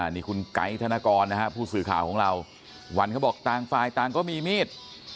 นี่คุณไก๊ธนกรนะฮะผู้สื่อข่าวของเราวันเขาบอกต่างฝ่ายต่างก็มีมีด